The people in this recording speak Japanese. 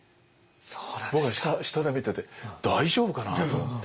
僕は下で見てて大丈夫かなと思って。